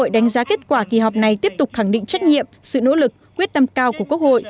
đánh giá kết quả kỳ họp này tiếp tục khẳng định trách nhiệm sự nỗ lực quyết tâm cao của quốc hội